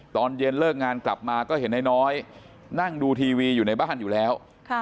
ตอนเย็นเลิกงานกลับมาก็เห็นนายน้อยนั่งดูทีวีอยู่ในบ้านอยู่แล้ว